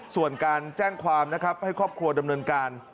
ส่วนการแจ้งความนะครับให้ครอบครัวดำเนินการ